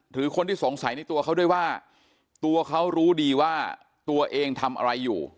หรือคนที่สงสัยในตัวเขาด้วยว่าตัวเขารู้ดีว่าตัวเองทำอะไรอยู่